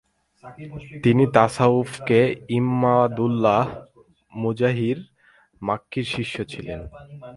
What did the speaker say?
তিনি তাসাউউফে ইমদাদুল্লাহ মুহাজির মাক্কীর শিষ্য ছিলেন ।